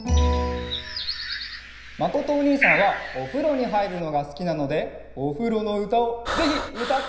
まことおにいさんはおふろにはいるのがすきなのでおふろのうたをぜひうたってほしいです！